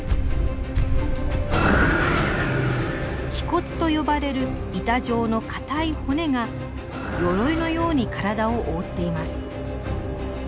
皮骨と呼ばれる板状の硬い骨が鎧のように体を覆っています。